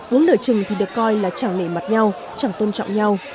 uống nửa chừng thì được coi là chẳng nể mặt nhau chẳng tôn trọng nhau